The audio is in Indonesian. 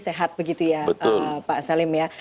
sehat begitu ya pak salim ya